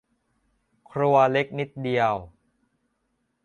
ครัวเล็กนิดเดียว